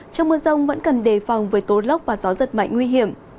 trong mưa rông vẫn cần đề phòng với tố lốc và gió giật mạnh nguy hiểm